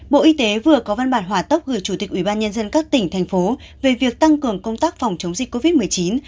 bộ y tế vừa có văn bản hòa tốc gửi chủ tịch ubnd các tỉnh thành phố về việc tăng cường công tác phòng chống dịch covid một mươi chín